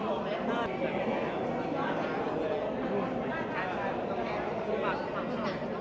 สุดท้ายสุดท้ายสุดท้าย